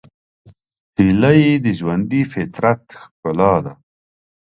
هیلۍ د ژوندي فطرت ښکلا ده